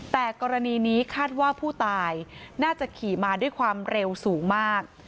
แต่กรณีนี้คาดว่าผู้ตายน่าจะขี่มาด้วยความเร็วสูงมาก